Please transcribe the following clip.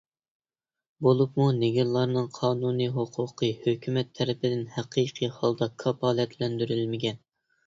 بولۇپمۇ نېگىرلارنىڭ قانۇنى ھوقۇقى ھۆكۈمەت تەرىپىدىن ھەقىقىي ھالدا كاپالەتلەندۈرۈلمىگەن.